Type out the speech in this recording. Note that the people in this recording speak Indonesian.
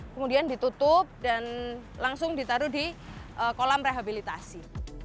kemudian ditutup dan langsung ditaruh di kolam rehabilitasi